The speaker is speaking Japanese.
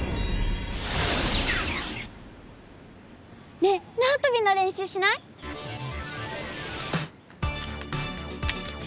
ねえなわとびの練習しない？え？